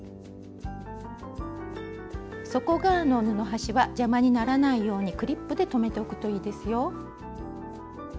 底側の布端は邪魔にならないようにクリップで留めておくといいですよ。